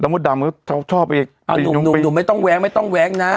พ่ออ่ะแล้วมดดำเขาชอบไปอ้าวหนุ่มหนุ่มไม่ต้องแว้งไม่ต้องแว้งน่ะ